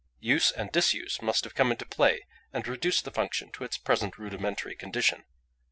Use and disuse must have come into play and reduced the function to its present rudimentary condition.